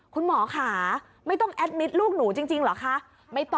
คุณหมอค่ะไม่ต้องแอดมิตรลูกหนูจริงเหรอคะ